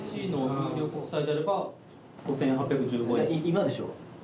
・今でしょ？